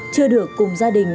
chưa được cùng gia đình